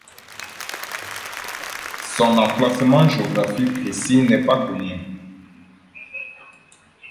Son emplacement géographique précis n'est pas connu.